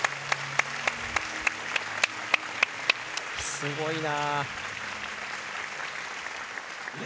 すごいな。